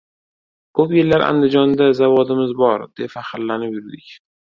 "Kop' yillar Andijonda zavodimiz bor, deb faxrlanib yurdik"